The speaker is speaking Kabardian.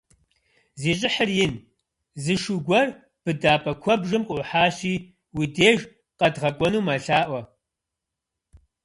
Зи щӀыхьыр ин, зы шу гуэр быдапӀэ куэбжэм къыӀухьащи, уи деж къэдгъэкӀуэну мэлъаӀуэ.